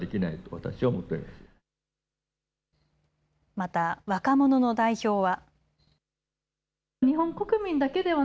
また、若者の代表は。